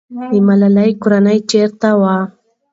د ملالۍ کورنۍ چېرته وه؟